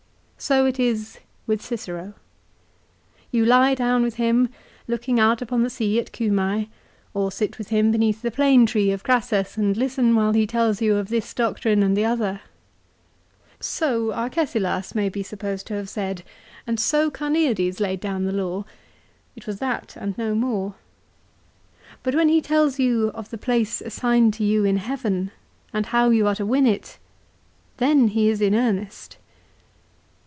So it is with Cicero. You lie down with him looking out upon the sea at Cuma3, or sit with him beneath the plane tree of Crassus, and listen while he tells you of this doctrine and the other. So Arcesilas may be supposed to have said ; and so Carneades laid down the law. It was that and no more. But when he tells you of the place assigned to you in heaven and how you are to win it, then he is in earnest.